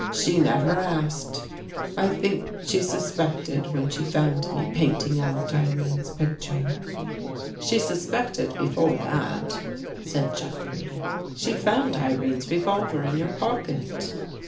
She never asked. I think she suspected when she found me painting out Irene's picture." " She suspected before that," said Jeffrey. " She found Irene's revolver in your pocket."